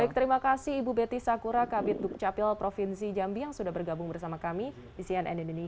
baik terima kasih ibu betty sakura kabit dukcapil provinsi jambi yang sudah bergabung bersama kami di cnn indonesia